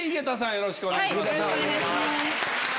よろしくお願いします。